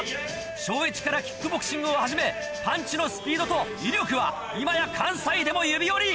小１からキックボクシングを始めパンチのスピードと威力は今や関西でも指折り。